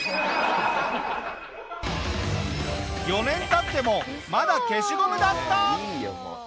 ４年経ってもまだ消しゴムだった！